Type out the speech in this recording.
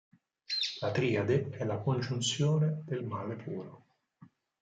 La triade è la congiunzione del male puro.